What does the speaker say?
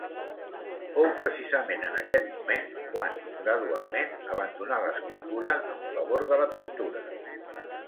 Fou precisament en aquest moment quan, gradualment, abandonà l'escultura en favor de la pintura.